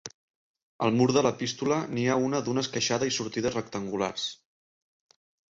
Al mur de l'epístola n'hi ha una d'una esqueixada i sortides rectangulars.